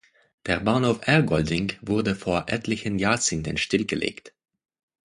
Der Bahnhof Ergolding wurde vor etlichen Jahrzehnten stillgelegt.